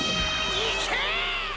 いけ！